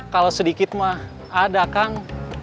kalau sedikit mah ada kang